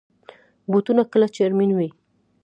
بوټونه کله چرمین وي.